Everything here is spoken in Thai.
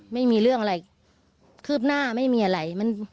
ไม่มีเรื่องอะไรคืบหน้าไม่มีอะไร